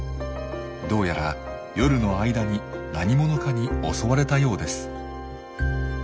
どうやら夜の間に何者かに襲われたようです。